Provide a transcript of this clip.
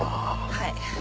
はい。